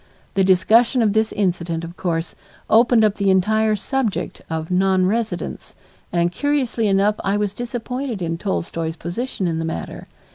The discussion of this incident, of course, opened up the entire subject of nonresidence, and curiously enough I was disappointed in Tolstoy's position in the matter.